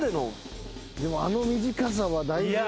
あの短さはだいぶ。